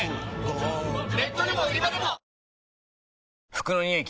服のニオイ